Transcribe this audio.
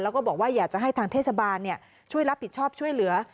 แล้วก็บอกว่าอยากจะให้ทางเทศบาลช่วยรับผิดชอบช่วยเหลือ